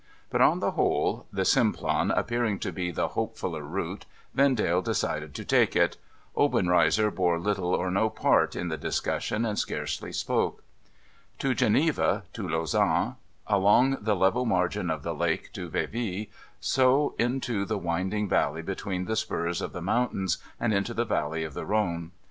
But, on the whole, the Simplon appearing to be the hopefuUer route, Vendale decided to take it. Obenreizer bore little or no part in the dis cussion, and scarcely spoke. To Geneva, to Lausanne, along the level margin of the lake to Vevey, so into the winding valley between the spurs of the moun tains, and into the valley of the Rhone.